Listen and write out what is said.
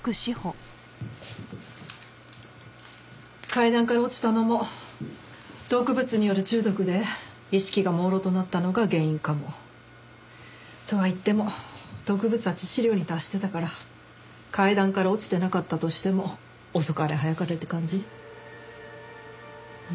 階段から落ちたのも毒物による中毒で意識が朦朧となったのが原因かも。とはいっても毒物は致死量に達してたから階段から落ちてなかったとしても遅かれ早かれって感じ。